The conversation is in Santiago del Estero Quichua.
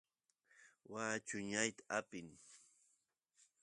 waa chuñar apin